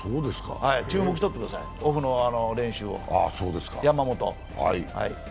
注目しとってください、オフの練習を、山本。